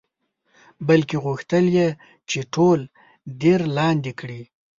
بلکې غوښتل یې چې ټول دیر لاندې کړي.